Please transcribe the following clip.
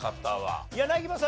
柳葉さん